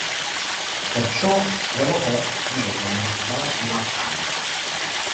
Perciò revocò Mason dalla sua carica.